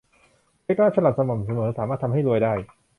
เล็กน้อยและสม่ำเสมอสามารถทำให้รวยได้